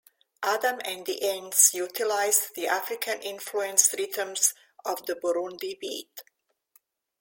Adam and the Ants utilised the African influenced rhythms of the "Burundi beat".